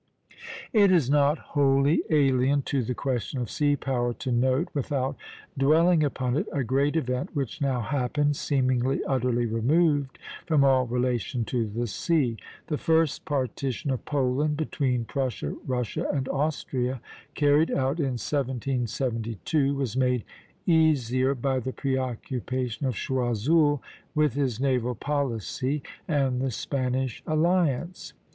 It is not wholly alien to the question of sea power to note, without dwelling upon it, a great event which now happened, seemingly utterly removed from all relation to the sea. The first partition of Poland between Prussia, Russia, and Austria, carried out in 1772, was made easier by the preoccupation of Choiseul with his naval policy and the Spanish alliance.